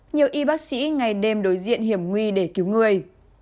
nhiều y bác sĩ ngày đêm đối diện hiểm nguy để cứu người